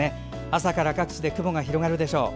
朝から各地で雲が広がるでしょう。